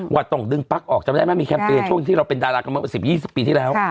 ว่าต้องดึงปั๊กออกจำได้ไหมมีแคมเปญช่วงที่เราเป็นดารากันเมื่อ๑๐๒๐ปีที่แล้ว